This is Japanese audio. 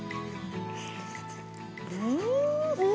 うん！